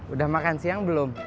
udah makan siang belum